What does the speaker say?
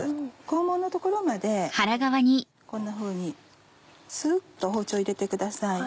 肛門の所までこんなふうにすっと包丁入れてください。